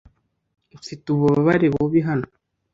mfite ububabare bubi hano